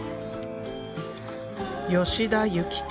吉田幸敏